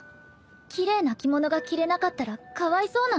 奇麗な着物が着れなかったらかわいそうなの？